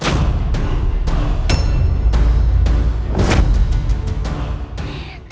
kau akan mati di tangan